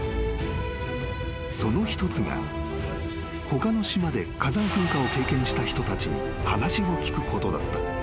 ［その一つが他の島で火山噴火を経験した人たちに話を聞くことだった］